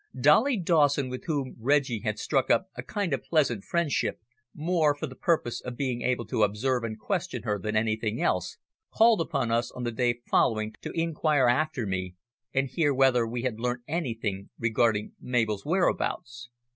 Dolly Dawson, with whom Reggie had struck up a kind of pleasant friendship, more for the purpose of being able to observe and question her than anything else, called upon us on the day following to inquire after me and hear whether we had learnt anything regarding Mabel's whereabouts.